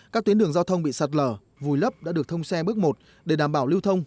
các tuyến đường giao thông bị sạt lở vùi lấp đã được thông xe bước một để đảm bảo lưu thông